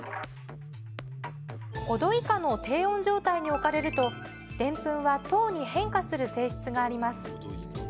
５℃以下の低温状態に置かれるとでんぷんは糖に変化する性質があります。